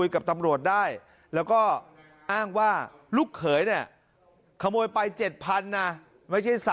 กับตำรวจได้แล้วก็อ้างว่าลูกเขยเนี่ยขโมยไป๗๐๐นะไม่ใช่๓๐๐